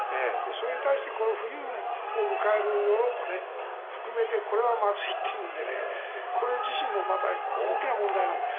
それに対して、冬を迎えるヨーロッパを含めてこれはまずいというのでこれ自身もまた大きな問題なんです。